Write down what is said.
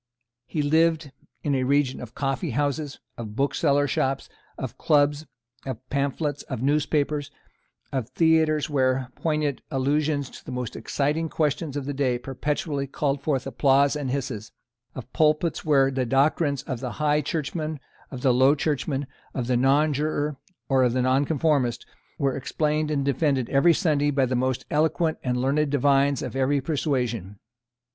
He lived in a region of coffeehouses, of booksellers' shops, of clubs, of pamphlets, of newspapers, of theatres where poignant allusions to the most exciting questions of the day perpetually called forth applause and hisses, of pulpits where the doctrines of the High Churchman, of the Low Churchman, of the Nonjuror, of the Nonconformist, were explained and defended every Sunday by the most eloquent and learned divines of every persuasion.